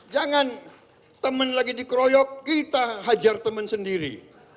jangan temen lagi dikeroyok kita hajar temen sendiri